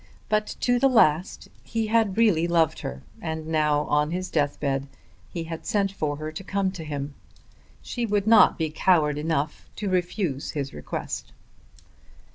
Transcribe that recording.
But to the last he had really loved her, and now, on his death bed, he had sent for her to come to him. She would not be coward enough to refuse his request.